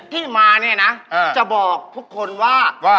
ที่มาเนี่ยนะจะบอกทุกคนว่า